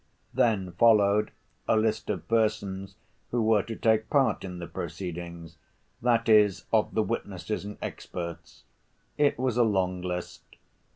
Then followed a list of persons who were to take part in the proceedings—that is, of the witnesses and experts. It was a long list.